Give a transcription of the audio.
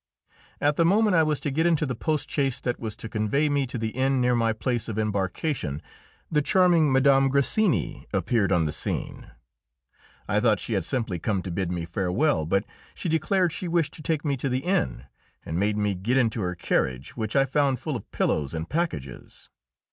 At the moment I was to get into the post chaise that was to convey me to the inn near my place of embarkation, the charming Mme. Grassini appeared on the scene. I thought she had simply come to bid me farewell, but she declared she wished to take me to the inn, and made me get into her carriage, which I found full of pillows and packages.